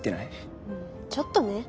ちょっとね。